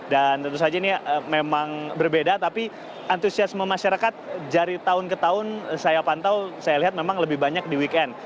dan tentu saja ini memang berbeda tapi antusiasme masyarakat dari tahun ke tahun saya pantau saya lihat memang lebih banyak di weekend